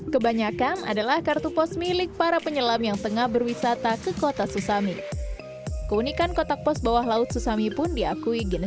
kebanyakan adalah kartu pos milik para penyelam yang berada di dalam air